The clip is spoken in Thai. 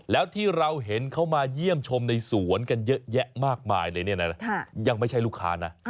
แล้วที่เราเห็นเขามาเยี่ยมชมในสวนกันเยอะแยะมากมายเลยเนี่ยนะยังไม่ใช่ลูกค้านะ